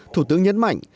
thủ tướng nhấn mạnh